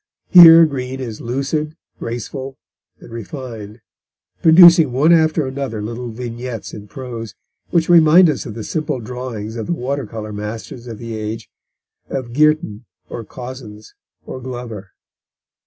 Here Green is lucid, graceful, and refined: producing one after another little vignettes in prose, which remind us of the simple drawings of the water colour masters of the age, of Girtin or Cozens or Glover.